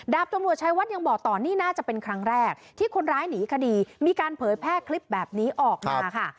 ดาบตำรวจชายวัดยังบอกต่อนี่น่าจะเป็นครั้งแรกที่คนร้ายหนีคดีมีการเผยแพร่คลิปแบบนี้ออกมาค่ะ